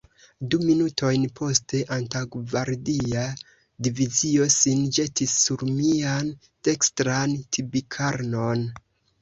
Du minutojn poste, antaŭgvardia divizio sin ĵetis sur mian dekstran tibikarnon.